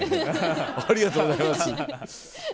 ありがとうございます。